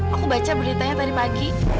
aku baca beritanya tadi pagi